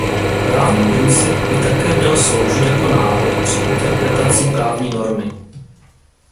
Právní princip by také měl sloužit jako návod při interpretaci právní normy.